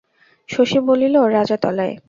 শশী বলিল, রাজাতলায়?